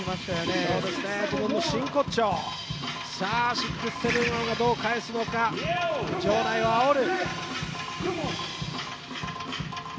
６７１はどう返すのか、場内をあおる。